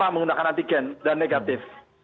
menggunakan antigen dan negatif